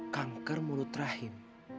kanker mulut rahim